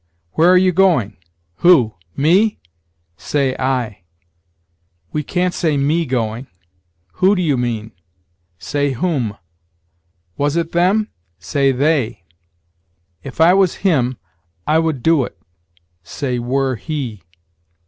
"Where are you going? Who? me?" say, I. We can't say, me going. "Who do you mean?" say, whom. "Was it them?" say, they. "If I was him, I would do it": say, were he.